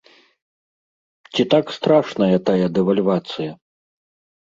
Ці так страшная тая дэвальвацыя?